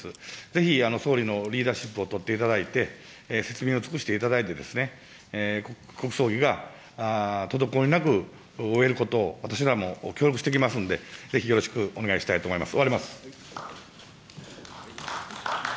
ぜひ、総理のリーダーシップを執っていただいて、説明を尽くしていただいて、国葬儀が滞りなく、終えることを、私らも協力していきますんで、ぜひよろしくお願いしたいと思います。